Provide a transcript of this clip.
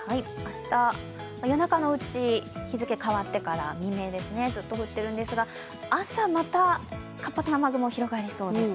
夜中のうち、日付変わってから未明ですね、ずっと降ってるんですが朝また活発な雨雲が広がりそうです。